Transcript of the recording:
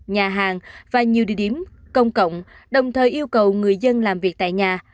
nhà hàng và nhiều địa điểm công cộng đồng thời yêu cầu người dân làm việc tại nhà